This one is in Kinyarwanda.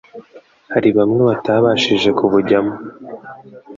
hari bamwe batabashije kubujyamo